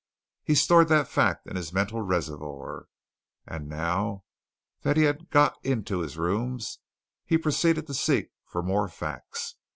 He stored that fact in his mental reservoirs. And now that he had got into his rooms, he proceeded to seek for more facts.